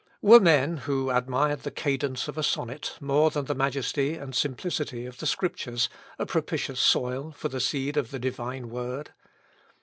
Were men who admired the cadence of a sonnet more than the majesty and simplicity of the Scriptures, a propitious soil for the seed of the divine word?